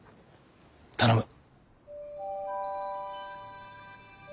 頼む。